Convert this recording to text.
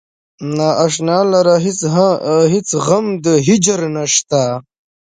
نا اشنا لره هیڅ غم د هجر نشته.